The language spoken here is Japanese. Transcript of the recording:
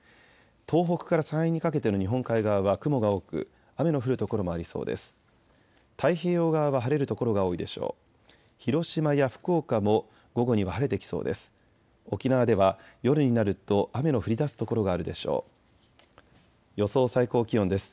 東北から山陰にかけての日本海側は雲が多く雨の降る所もありそうです。